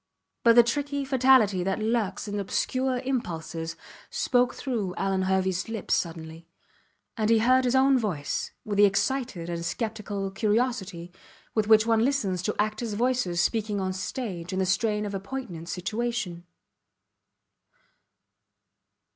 But the tricky fatality that lurks in obscure impulses spoke through Alvan Herveys lips suddenly; and he heard his own voice with the excited and sceptical curiosity with which one listens to actors voices speaking on the stage in the strain of a poignant situation.